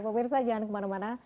pak mirsa jangan kemana mana